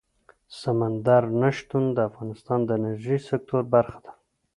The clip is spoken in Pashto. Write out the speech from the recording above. سمندر نه شتون د افغانستان د انرژۍ سکتور برخه ده.